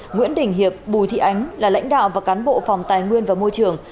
nguyễn đình hiệp bùi thị ánh là lãnh đạo và cán bộ phòng tài nguyên và môi trường